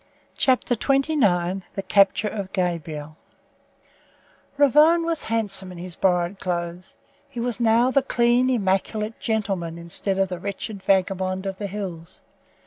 CHAPTER XXIX THE CAPTURE OF GABRIEL Ravone was handsome in his borrowed clothes. He was now the clean, immaculate gentleman instead of the wretched vagabond of the hills.